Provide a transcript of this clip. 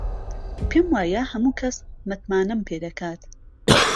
پێم وایە هەموو کەس متمانەم پێ دەکات.